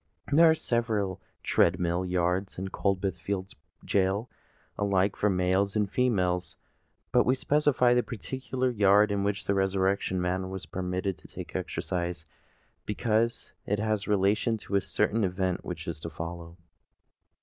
There are several tread mill yards in Coldbath Fields' gaol, alike for males and females; but we specify the particular yard in which the Resurrection Man was permitted to take exercise, because it has relation to a certain event which is to follow.